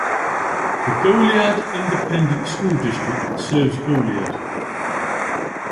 The Goliad Independent School District serves Goliad.